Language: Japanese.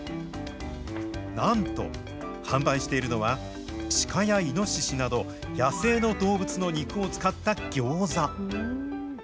なんと、販売しているのは、シカやイノシシなど、野生の動物の肉を使った餃子。